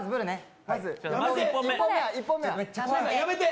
やめて！